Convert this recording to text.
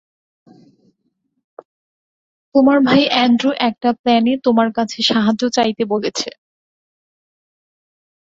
তোমার ভাই অ্যান্ড্রু একটা প্ল্যানে তোমার কাছে সাহায্য চাইতে বলেছে।